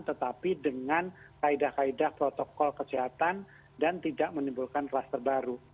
tetapi dengan kaedah kaedah protokol kesehatan dan tidak menimbulkan kluster baru